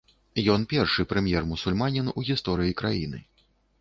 Ён першы прэм'ер-мусульманін у гісторыі краіны.